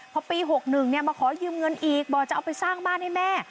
พอปี๖๑มาขอยืมเงินอีกบอกจะเอาไปสร้างบ้านให้แม่